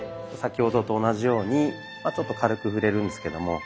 先ほどと同じようにちょっと軽く触れるんですけども。